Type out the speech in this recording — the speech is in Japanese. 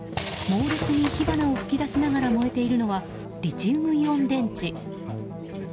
猛烈に火花を噴き出しながら燃えているのはリチウムイオン電池。